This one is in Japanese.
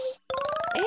え